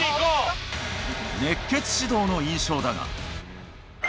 熱血指導の印象だが。